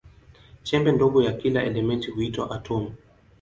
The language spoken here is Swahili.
Chembe ndogo ya kila elementi huitwa atomu.